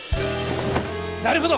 なるほど！